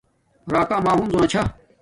راکا اما ہنزو نا چھا